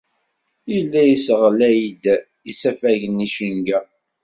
Yella yesseɣlay-d isafagen icenga.